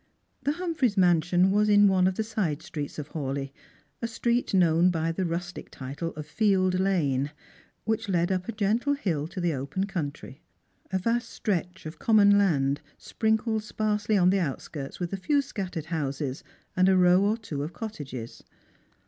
The Humphreys' mansion was in one of the side streets of Hawleigh, a street known by the rustic title of Field lane, which led up a gentle hill to the open countrjr ; a vast stretch of common land, sprinkled sparsley on the outskirts with a few scattered houses and a row or two of cottages.